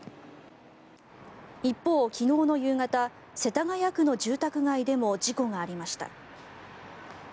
一方、昨日の夕方世田谷区の住宅街でも事故がありました。